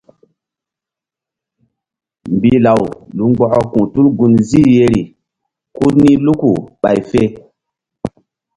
Mbilaw lu mgbɔkɔ ku̧h tul gunzih ye ku nih Luku ɓay fe.